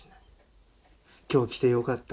今日来てよかった。